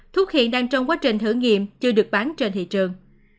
thuốc hiện đang trong quá trình thử nghiệm chưa được bán trên thị trường